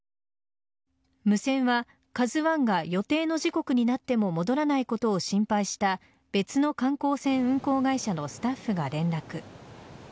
無線は「ＫＡＺＵ１」が予定の時刻になっても戻らないことを心配した別の観光船運航会社のスタッフが連絡。